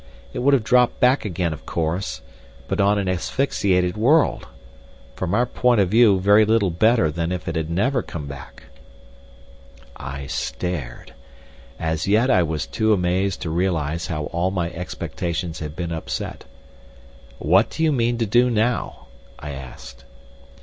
It would have dropped back again, of course—but on an asphyxiated world! From our point of view very little better than if it never came back!" I stared. As yet I was too amazed to realise how all my expectations had been upset. "What do you mean to do now?" I asked.